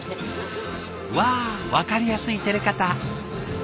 わあ分かりやすいてれ方。